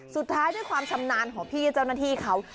ด้วยความชำนาญของพี่เจ้าหน้าที่เขา